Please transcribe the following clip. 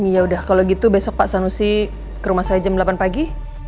ya udah kalau gitu besok pak sanusi ke rumah saya jam delapan pagi